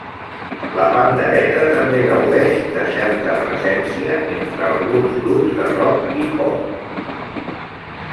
La pandereta també gaudeix de certa presència entre alguns grups de rock i pop.